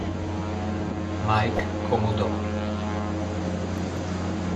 Mike Commodore